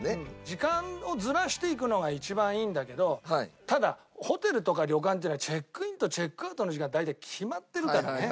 時間をずらして行くのが一番いいんだけどただホテルとか旅館っていうのはチェックインとチェックアウトの時間が大体決まってるからね。